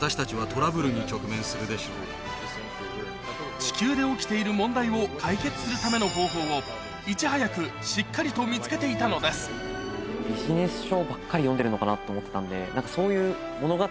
地球で起きている問題を解決するための方法をいち早くしっかりと見つけていたのです読んでるのかなと思ってたんで何かそういう。